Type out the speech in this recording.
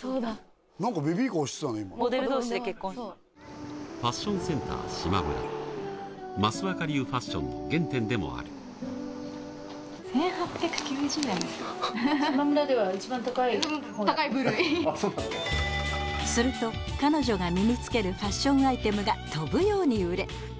そうだ何かベビーカー押してたねモデル同士で結婚ファッションセンターしまむら益若流ファッションの原点でもあるすると彼女が身につけるファッションアイテムが飛ぶように売れ